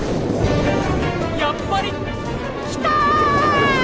やっぱり！来た！